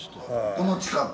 この近く？